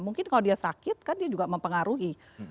mungkin kalau dia sakit kan dia juga mempengaruhi